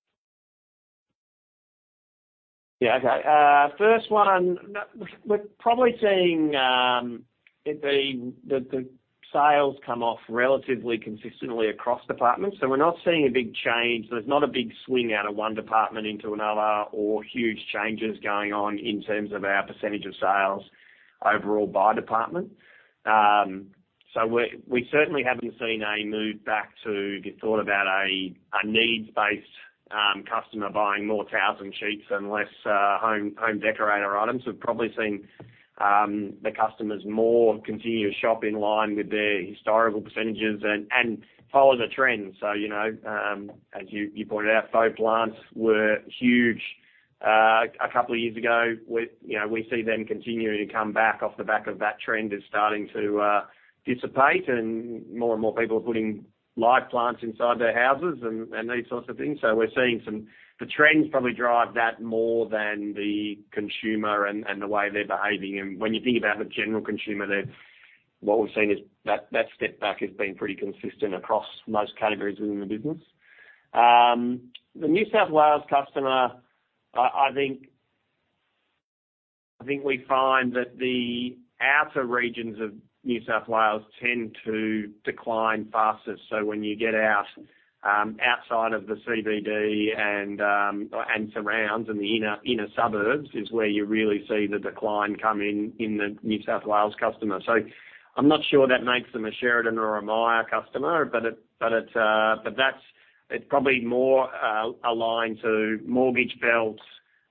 Yeah, okay. First one, we're, we're probably seeing the, the, the sales come off relatively consistently across departments, so we're not seeing a big change. There's not a big swing out of one department into another or huge changes going on in terms of our percentage of sales overall by department. We certainly haven't seen a move back to the thought about a, a needs-based customer buying more towels and sheets and less home, home decorator items. We've probably seen the customers more continue to shop in line with their historical percentages and, and follow the trends. You know, as you, you pointed out, faux plants were huge a couple of years ago. We, you know, we see them continuing to come back off the back of that trend is starting to dissipate and more and more people are putting live plants inside their houses and these sorts of things. We're seeing some the trends probably drive that more than the consumer and the way they're behaving. When you think about the general consumer, they've what we've seen is that, that step back has been pretty consistent across most categories within the business. The New South Wales customer, I think we find that the outer regions of New South Wales tend to decline faster. When you get out, outside of the CBD and surrounds and the inner, inner suburbs is where you really see the decline coming in the New South Wales customer. I'm not sure that makes them a Sheridan or a Myer customer, but it's probably more aligned to mortgage belts,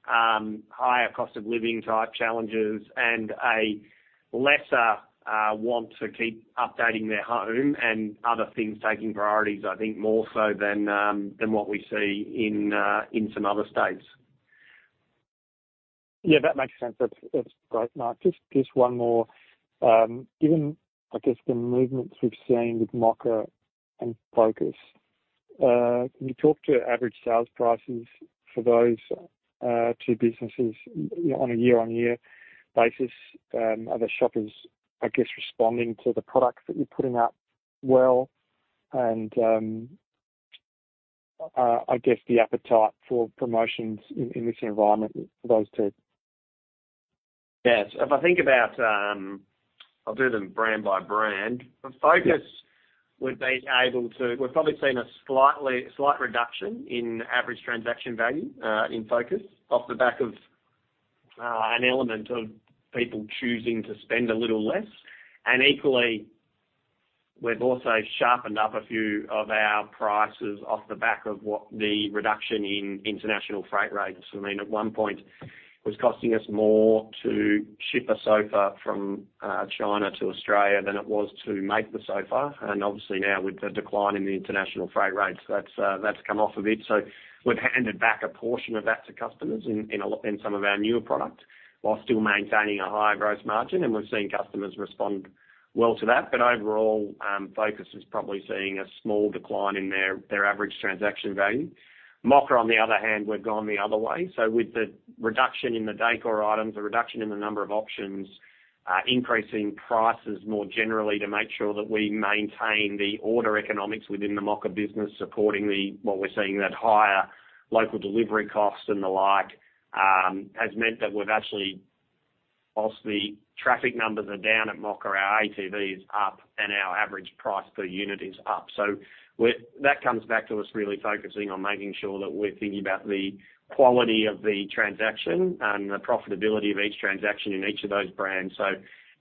higher cost of living type challenges and a lesser want to keep updating their home and other things taking priorities, I think, more so than what we see in some other states. Yeah, that makes sense. That's, that's great, Mark. Just, just one more. Given, I guess, the movements we've seen with Mocka and Focus on Furniture, can you talk to average sales prices for those two businesses on a year-on-year basis? Are the shoppers, I guess, responding to the products that you're putting out well, and, I guess the appetite for promotions in this environment for those two? Yes. If I think about, I'll do them brand by brand. Yeah. For Focus, we've been able to, we've probably seen a slightly, slight reduction in average transaction value, in Focus, off the back of an element of people choosing to spend a little less. Equally. We've also sharpened up a few of our prices off the back of what the reduction in international freight rates. I mean, at 1 point, it was costing us more to ship a sofa from China to Australia than it was to make the sofa. Obviously now, with the decline in the international freight rates, that's that's come off a bit. We've handed back a portion of that to customers in, in some of our newer product, while still maintaining a higher gross margin, and we're seeing customers respond well to that. Overall, Focus is probably seeing a small decline in their, their average transaction value. Mocka, on the other hand, we've gone the other way. With the reduction in the decor items, the reduction in the number of options, increasing prices more generally to make sure that we maintain the order economics within the Mocka business, supporting the-- what we're seeing, that higher local delivery costs and the like, has meant that we've actually, whilst the traffic numbers are down at Mocka, our ATV is up and our average price per unit is up. We're-- that comes back to us really focusing on making sure that we're thinking about the quality of the transaction and the profitability of each transaction in each of those brands.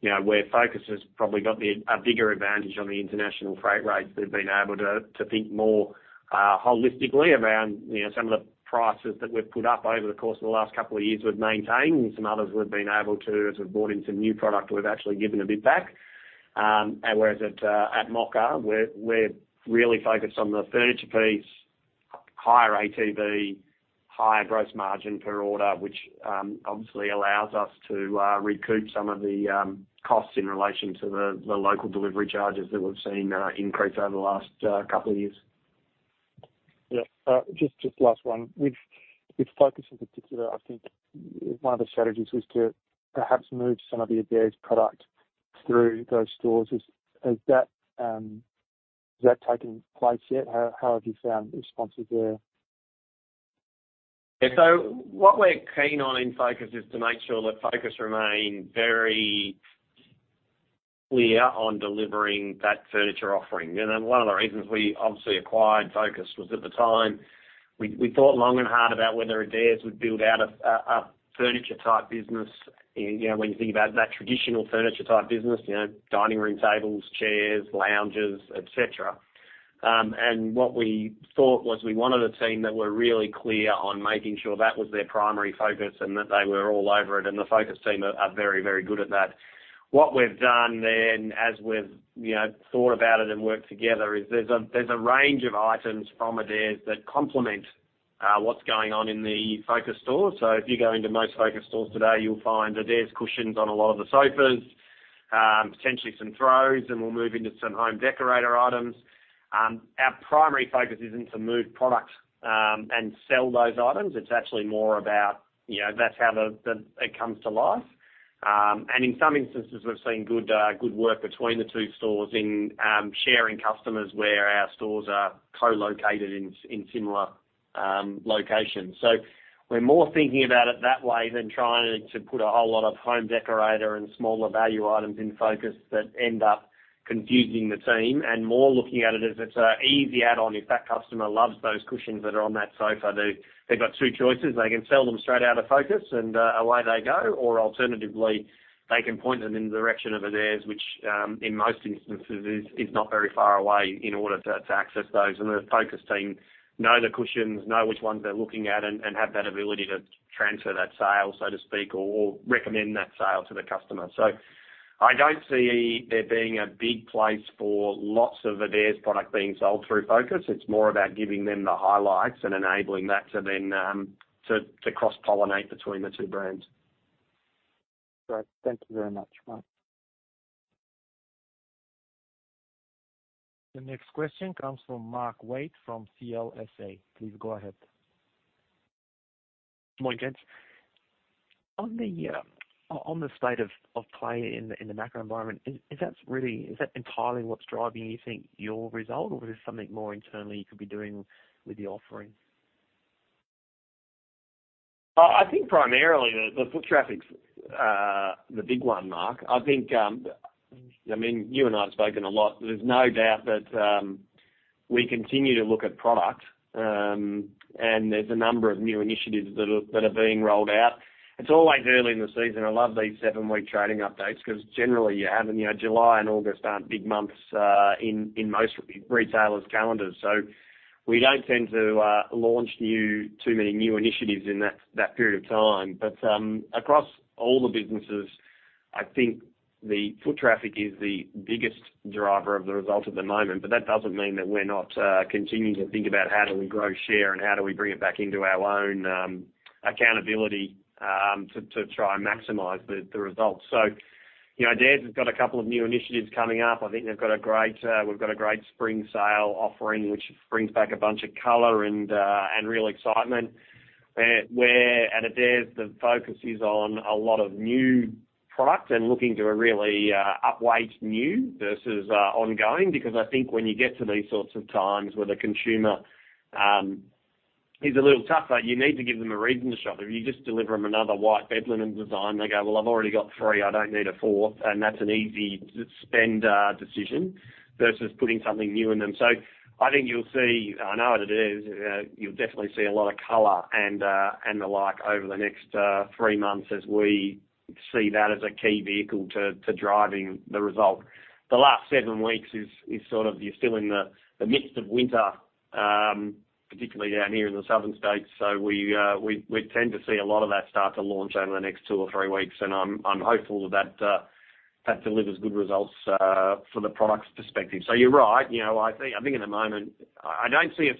You know, where Focus has probably got the, a bigger advantage on the international freight rates, we've been able to think more holistically around, you know, some of the prices that we've put up over the course of the last two years, we've maintained, and some others we've been able to, as we've brought in some new product, we've actually given a bit back. Whereas at Mocka, we're really focused on the furniture piece, higher ATV, higher gross margin per order, which obviously allows us to recoup some of the costs in relation to the local delivery charges that we've seen increase over the last couple of years. Yeah. Just, just last one. With, with Focus in particular, I think one of the strategies was to perhaps move some of the Adairs product through those stores. Is, has that, has that taken place yet? How, how have you found the responses there? What we're keen on in Focus is to make sure that Focus remain very clear on delivering that furniture offering. One of the reasons we obviously acquired Focus was, at the time, we, we thought long and hard about whether Adairs would build out a, a, a furniture-type business. You know, when you think about that traditional furniture-type business, you know, dining room tables, chairs, lounges, et cetera. What we thought was we wanted a team that were really clear on making sure that was their primary focus and that they were all over it, and the Focus team are, are very, very good at that. What we've done then, as we've, you know, thought about it and worked together, is there's a, there's a range of items from Adairs that complement what's going on in the Focus stores. If you go into most Focus on Furniture stores today, you'll find Adairs cushions on a lot of the sofas, potentially some throws, and we'll move into some home decorator items. Our primary focus isn't to move products and sell those items. It's actually more about, you know, that's how it comes to life. In some instances, we've seen good, good work between the two stores in sharing customers where our stores are co-located in, in similar locations. We're more thinking about it that way than trying to put a whole lot of home decorator and smaller value items in Focus on Furniture that end up confusing the team, and more looking at it as it's an easy add-on. If that customer loves those cushions that are on that sofa, they've got two choices: They can sell them straight out of Focus, and away they go, or alternatively, they can point them in the direction of Adairs, which in most instances is, is not very far away in order to, to access those. The Focus team know the cushions, know which ones they're looking at, and, and have that ability to transfer that sale, so to speak, or, or recommend that sale to the customer. I don't see there being a big place for lots of Adairs product being sold through Focus. It's more about giving them the highlights and enabling that to then, to, to cross-pollinate between the two brands. Great. Thank you very much, Mark. The next question comes from Mark Wade from CLSA. Please go ahead. Good morning, gents. On the state of play in the macro environment, is that entirely what's driving, you think, your result, or is there something more internally you could be doing with the offering? I think primarily the foot traffic's the big one, Mark. I think, I mean, you and I have spoken a lot. There's no doubt that we continue to look at product, and there's a number of new initiatives that are being rolled out. It's always early in the season. I love these seven week trading updates 'cause generally you haven't, you know, July and August aren't big months in most retailers' calendars. We don't tend to launch too many new initiatives in that period of time. Across all the businesses, I think the foot traffic is the biggest driver of the result at the moment. That doesn't mean that we're not continuing to think about how do we grow share and how do we bring it back into our own accountability to try and maximize the results. You know, Adairs has got a couple of new initiatives coming up. I think they've got a great, we've got a great spring sale offering, which brings back a bunch of color and real excitement. Where at Adairs, the focus is on a lot of new products and looking to really upweight new versus ongoing, because I think when you get to these sorts of times where the consumer is a little tougher, you need to give them a reason to shop. If you just deliver them another white bed linen design, they go, "Well, I've already got three. I don't need a fourth." That's an easy to spend decision versus putting something new in them. I think you'll see, I know at Adairs, you'll definitely see a lot of color and the like over the next three months as we see that as a key vehicle to driving the result. The last seven weeks is, is sort of, you're still in the midst of winter-particularly down here in the southern states. We, we tend to see a lot of that start to launch over the next two or three weeks, and I'm, I'm hopeful that delivers good results from the products perspective. You're right. You know, I think, I think in the moment, I don't see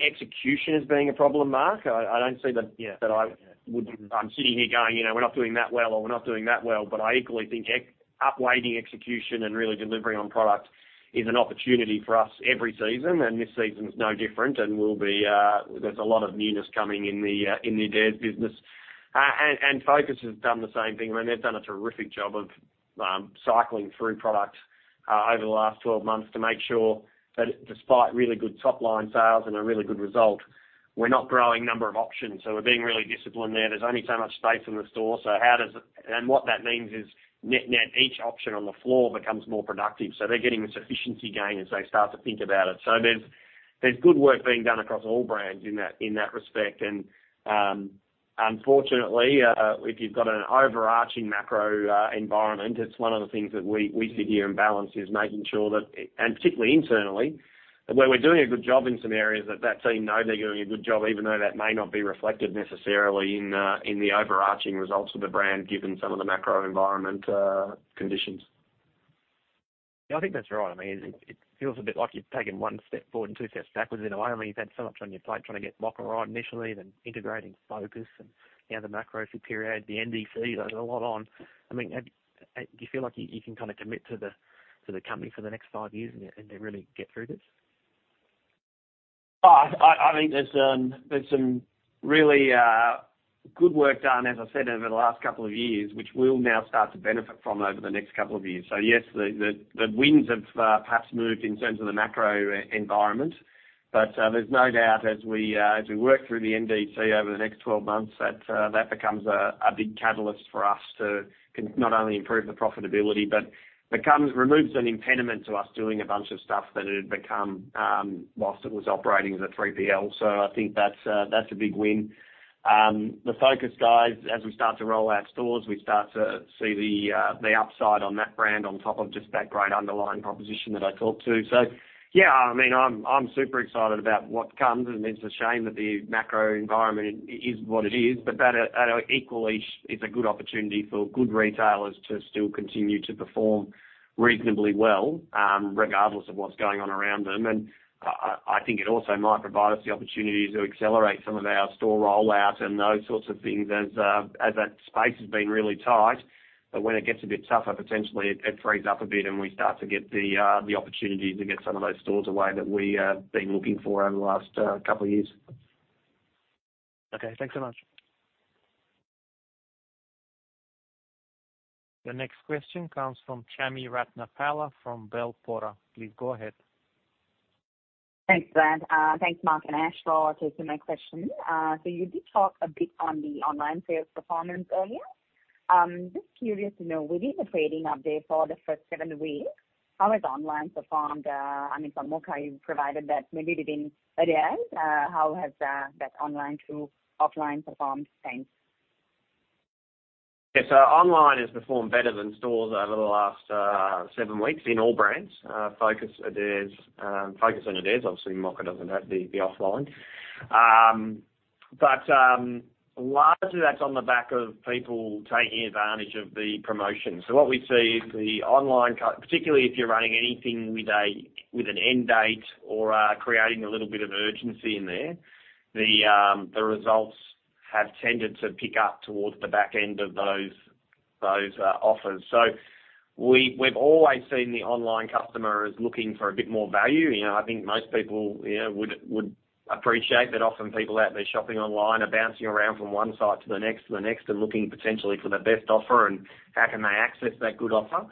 execution as being a problem, Mark. I, I don't see that, you know, that I would... I'm sitting here going, you know, we're not doing that well or we're not doing that well. But I equally think up weighting execution and really delivering on product is an opportunity for us every season, and this season is no different. And we'll be, there's a lot of newness coming in the, in the Adairs business. And, and Focus has done the same thing. I mean, they've done a terrific job of cycling through products over the last 12 months to make sure that despite really good top-line sales and a really good result, we're not growing number of options. So we're being really disciplined there. There's only so much space in the store. What that means is net net, each option on the floor becomes more productive, so they're getting this efficiency gain as they start to think about it. There's, there's good work being done across all brands in that, in that respect. Unfortunately, if you've got an overarching macro environment, it's one of the things that we, we sit here and balance is making sure that, and particularly internally, where we're doing a good job in some areas, that that team know they're doing a good job, even though that may not be reflected necessarily in the overarching results of the brand, given some of the macro environment conditions. Yeah, I think that's right. I mean, it, it feels a bit like you're taking one step forward and two steps backwards in a way. I mean, you've had so much on your plate trying to get Mocka right initially, then integrating Focus and now the macro period, the NDC. There's a lot on. I mean, do you feel like you can kind of commit to the, to the company for the next five years and, and then really get through this? Well, I, I think there's, there's some really good work done, as I said, over the last couple of years, which we'll now start to benefit from over the next couple of years. Yes, the, the, the winds have perhaps moved in terms of the macro environment, but there's no doubt as we, as we work through the NDC over the next 12 months, that that becomes a big catalyst for us to not only improve the profitability, but removes an impediment to us doing a bunch of stuff that it had become, whilst it was operating as a 3PL. I think that's, that's a big win. The Focus on Furniture guys, as we start to roll out stores, we start to see the upside on that brand on top of just that great underlying proposition that I talked to. Yeah, I mean, I'm, I'm super excited about what comes, and it's a shame that the macro environment is what it is, but that equally is a good opportunity for good retailers to still continue to perform reasonably well, regardless of what's going on around them. I, I, I think it also might provide us the opportunity to accelerate some of our store rollouts and those sorts of things as that space has been really tight. When it gets a bit tougher, potentially it, it frees up a bit, and we start to get the opportunity to get some of those stores away that we have been looking for over the last couple of years. Okay, thanks so much. The next question comes from Chami Ratnapala, from Bell Potter. Please go ahead. Thanks, Brad. Thanks, Mark and Ash, for taking my question. You did talk a bit on the online sales performance earlier. Just curious to know, within the trading update for the first seven weeks, how has online performed? I mean, for Mocka, you provided that maybe it in Adairs. How has that online through offline performed? Thanks. Yes, online has performed better than stores over the last seven weeks in all brands, Focus on Furniture, Adairs, Focus on Furniture and Adairs. Obviously, Mocka doesn't have the, the offline. Largely that's on the back of people taking advantage of the promotion. What we see is the online particularly if you're running anything with a, with an end date or creating a little bit of urgency in there, the results have tended to pick up towards the back end of those, those offers. We've always seen the online customer as looking for a bit more value. You know, I think most people, you know, would, would appreciate that often people out there shopping online are bouncing around from one site to the next, to the next, and looking potentially for the best offer, and how can they access that good offer?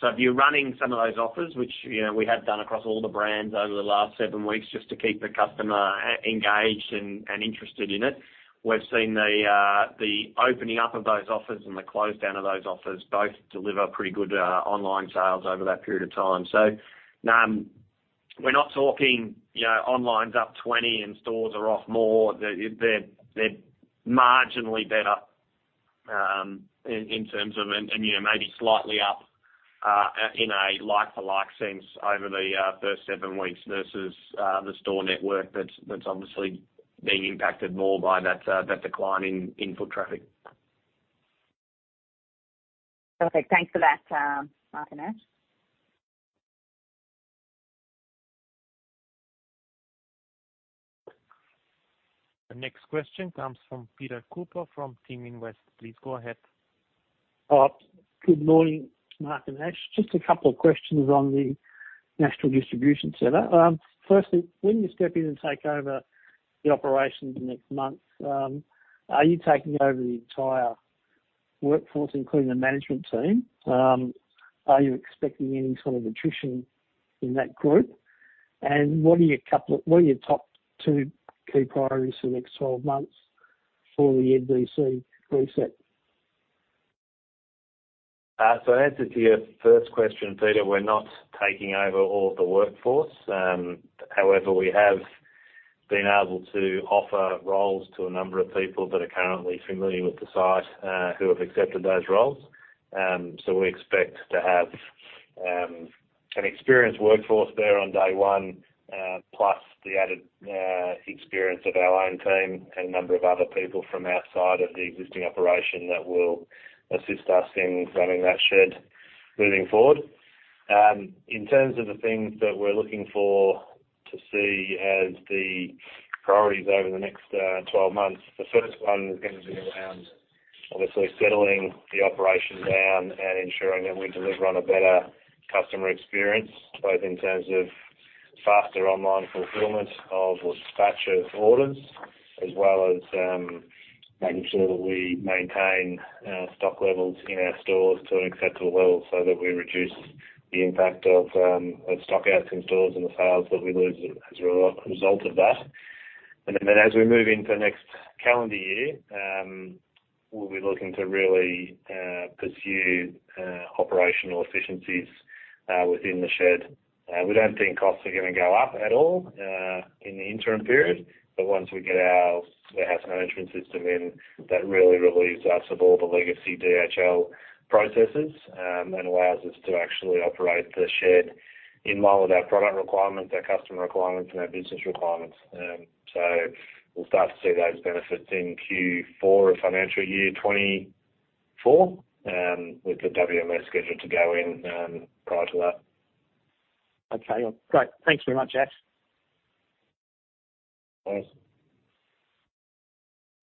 If you're running some of those offers, which, you know, we have done across all the brands over the last seven weeks, just to keep the customer e- engaged and, and interested in it, we've seen the, the opening up of those offers and the close down of those offers both deliver pretty good, online sales over that period of time. We're not talking, you know, online's up 20 and stores are off more. They're, they're marginally better, in, in terms of, and, you know, maybe slightly up, in a like for like sense over the, first seven weeks versus, the store network that's, that's obviously being impacted more by that, that decline in, in foot traffic. Perfect. Thanks for that, Mark and Ash. The next question comes from Peter Cooper, from King Invest. Please go ahead. Good morning, Mark and Ash. Just a couple of questions on the National Distribution Centre. Firstly, when you step in and take over the operations next month, are you taking over the entire workforce, including the management team? Are you expecting any sort of attrition in that group? What are your top two key priorities for the next 12 months for the NDC reset? Answer to your first question, Peter, we're not taking over all the workforce. However, we have been able to offer roles to a number of people that are currently familiar with the site, who have accepted those roles. We expect to have an experienced workforce there on day one, plus the added experience of our own team and a number of other people from outside of the existing operation that will assist us in running that shed moving forward. In terms of the things that we're looking for to see as the priorities over the next 12 months, the first one is going to be around obviously settling the operation down and ensuring that we deliver on a better customer experience, both in terms of faster online fulfillment of the dispatch of orders, as well as making sure that we maintain stock levels in our stores to an acceptable level, so that we reduce the impact of stock outs in stores and the sales that we lose as a result of that. Then as we move into the next calendar year, we'll be looking to really pursue operational efficiencies within the shed. We don't think costs are gonna go up at all in the interim period. Once we get our warehouse management system in, that really relieves us of all the legacy DHL processes and allows us to actually operate the shed in line with our product requirements, our customer requirements, and our business requirements. We'll start to see those benefits in Q4 of financial year 2024 with the WMS scheduled to go in prior to that. Okay, great. Thank you very much, Ash. Thanks.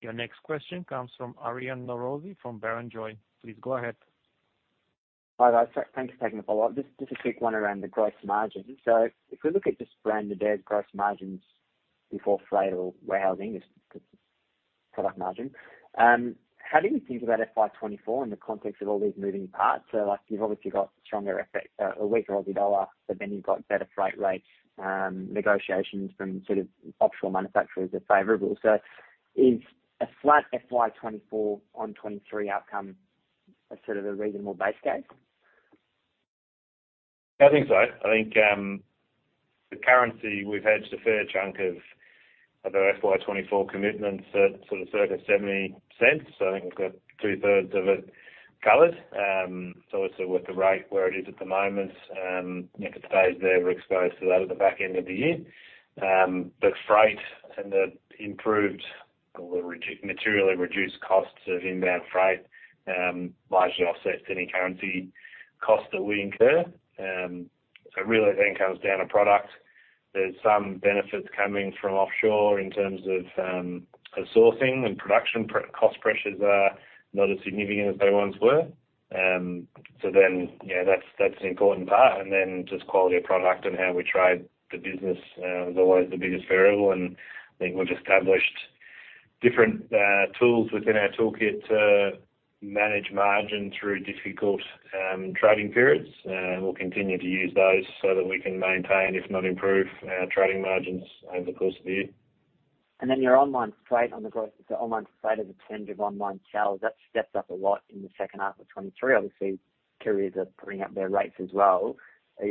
Your next question comes from Aryan Norozi from Barrenjoey. Please go ahead. Hi, guys. Thank you for taking the follow-up. Just a quick one around the gross margins. If we look at just brand new gross margins before freight or warehousing, just product margin, how do you think about FY 2024 in the context of all these moving parts? Like, you've obviously got stronger effects, a weaker Aussie dollar, but then you've got better freight rates, negotiations from sort of offshore manufacturers are favorable. Is a flat FY 2024 on FY 2023 outcome a sort of a reasonable base case? I think so. I think, the currency, we've hedged a fair chunk of, of our FY 2024 commitments at sort of circa 0.70. I think we've got 2/3 of it covered. Obviously with the rate where it is at the moment, if it stays there, we're exposed to that at the back end of the year. Freight and the improved or the materially reduced costs of inbound freight, largely offsets any currency costs that we incur. Really, I think it comes down to product. There's some benefits coming from offshore in terms of, of sourcing and production. Cost pressures are not as significant as they once were. You know, that's, that's the important part, and then just quality of product and how we trade the business, is always the biggest variable. I think we've established different tools within our toolkit to manage margin through difficult trading periods. We'll continue to use those so that we can maintain, if not improve, our trading margins over the course of the year. Then your online freight so online freight as a percentage of online sales, that's stepped up a lot in the second half of 2023. Obviously, carriers are putting up their rates as well.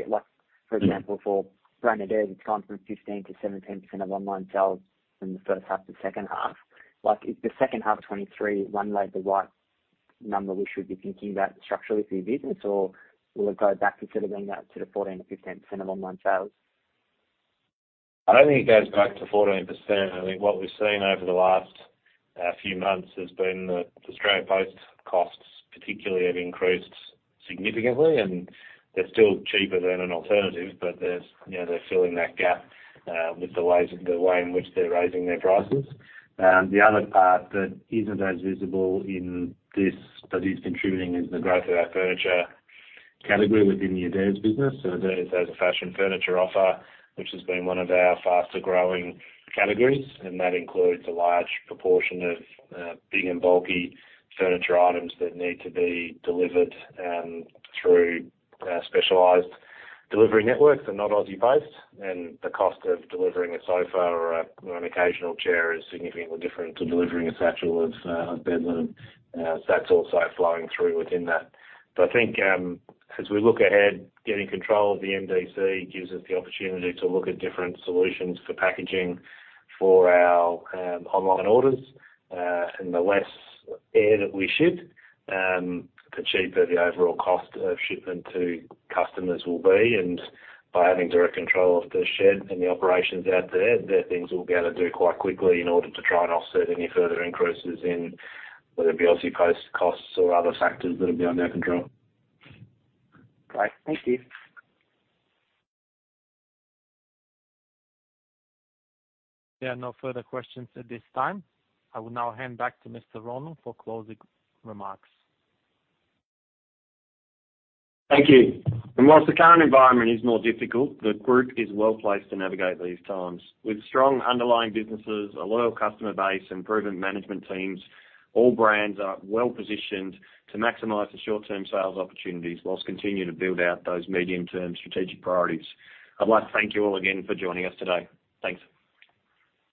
Like, for example, for Adairs, it's gone from 15%-17% of online sales in the first half to second half. Like, is the second half of 2023, like, the right number we should be thinking about structurally for your business, or will it go back to sort of being that to the 14%-15% of online sales? I don't think it goes back to 14%. I think what we've seen over the last few months has been that Australia Post costs particularly have increased significantly, and they're still cheaper than an alternative, but there's, you know, they're filling that gap with the ways, the way in which they're raising their prices. The other part that isn't as visible in this, but is contributing, is the growth of our furniture category within the Adairs business. So Adairs has a fashion furniture offer, which has been one of our faster-growing categories, and that includes a large proportion of big and bulky furniture items that need to be delivered through specialized delivery networks and not Aussie Post. And the cost of delivering a sofa or a, an occasional chair is significantly different to delivering a satchel of bed linen. That's also flowing through within that. I think, as we look ahead, getting control of the NDC gives us the opportunity to look at different solutions for packaging for our online orders. The less air that we ship, the cheaper the overall cost of shipment to customers will be. By having direct control of the shed and the operations out there, there are things we'll be able to do quite quickly in order to try and offset any further increases in whether it be Aussie Post costs or other factors that are beyond our control. Great. Thank you. There are no further questions at this time. I will now hand back to Mr. Ronan for closing remarks. Thank you. Whilst the current environment is more difficult, the group is well placed to navigate these times. With strong underlying businesses, a loyal customer base, and proven management teams, all brands are well-positioned to maximize the short-term sales opportunities, whilst continuing to build out those medium-term strategic priorities. I'd like to thank you all again for joining us today. Thanks.